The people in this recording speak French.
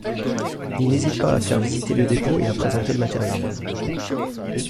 Ils n'hésitent pas à faire visiter le dépôt et à présenter le matériel.